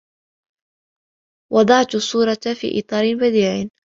وَضَعْتُ الصُّورَةَ فِي إِطارٍ بديعٍ.